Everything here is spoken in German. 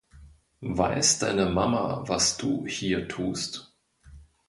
Weiß deine Mama, was du hier tust?